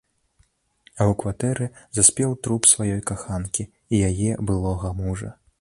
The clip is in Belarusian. А ў кватэры заспеў труп сваёй каханкі і яе былога мужа.